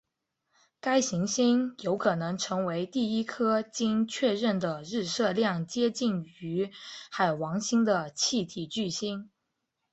该行星有可能成为第一颗经确认的日射量接近于海王星的气体巨星。